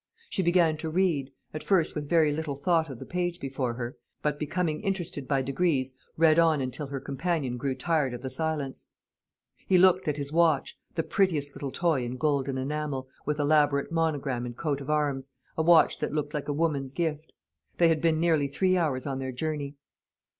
She began to read, at first with very little thought of the page before her, but, becoming interested by degrees, read on until her companion grew tired of the silence. He looked at his watch the prettiest little toy in gold and enamel, with elaborate monogram and coat of arms a watch that looked like a woman's gift. They had been nearly three hours on their journey.